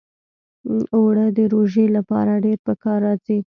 اوړه د روژې لپاره ډېر پکار راځي